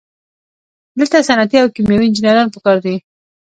دلته صنعتي او کیمیاوي انجینران پکار دي.